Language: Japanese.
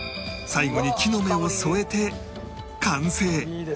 最後に木の芽を添えて完成